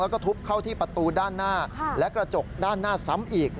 แล้วก็ทุบเข้าที่ประตูด้านหน้าและกระจกด้านหน้าซ้ำอีก